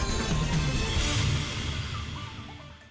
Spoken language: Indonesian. saya juga berpikir bahwa ingin mengulangi flooding